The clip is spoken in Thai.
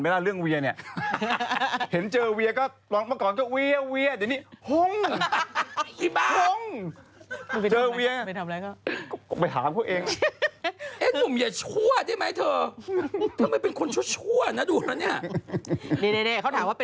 แล้วมันจะดีกับชีวิต